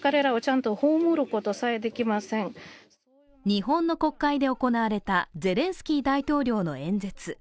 日本の国会で行われたゼレンスキー大統領の演説。